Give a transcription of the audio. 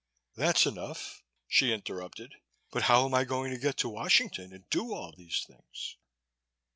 "That's enough," she interrupted. "But how'm I going to get to Washington and do all these things?"